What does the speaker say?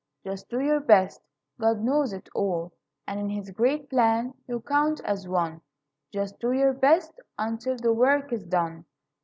Just do your best. God knows it all, And in his great plan you count as one; Just do your best until the work is done.